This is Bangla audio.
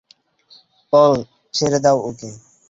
পল, ছেড়ে দাও ওকে!